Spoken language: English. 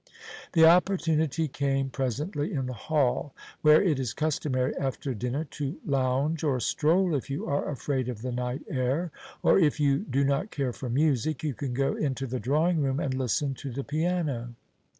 The opportunity came presently in the hall, where it is customary after dinner to lounge or stroll if you are afraid of the night air. Or if you do not care for music, you can go into the drawing room and listen to the piano.